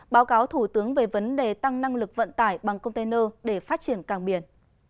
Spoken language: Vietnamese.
báo cáo thủ tướng về vấn đề tăng năng lực vận tải bằng container để phát triển cảng biển